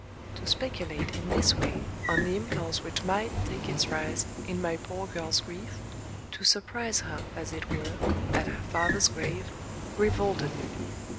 To speculate in this way on the impulse which might take its rise in my poor girl's grief to surprise her, as it were, at her father's grave revolted me.